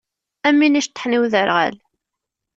Am win iceṭḥen i uderɣal.